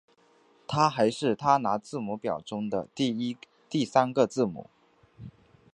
它还是它拿字母表中的第三个字母。